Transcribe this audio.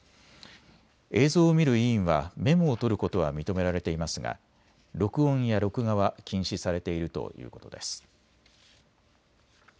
映像を見る委員はメモを取ることは認められていますが録音や録画は禁止されているということです。